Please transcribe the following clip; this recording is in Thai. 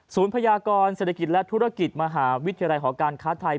พยากรเศรษฐกิจและธุรกิจมหาวิทยาลัยหอการค้าไทย